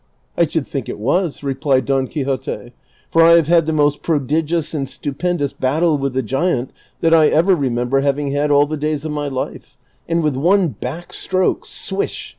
" I should think it was," replied Don Quixote, " for I have had the most prodigious and stupendous battle with the gaint that I ever remember having had all the days of my life ; and Avitli one back stroke — swish